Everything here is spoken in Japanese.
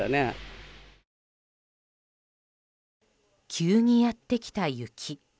急にやってきた雪。